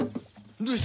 どうした？